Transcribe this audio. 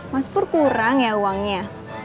mas pur kurang ya uangnya